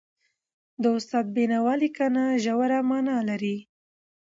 د استاد د بينوا لیکنه ژوره معنا لري.